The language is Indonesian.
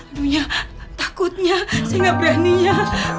aduh takutnya saya gak beraninya